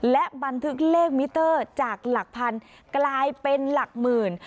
และบันทึกเลขมิเตอร์จากหลักพันกลายเป็นหลักหมื่น